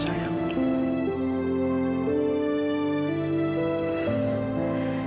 tidak ada yang perlu disesali